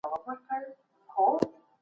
مستې د معدې لپاره ښې دي.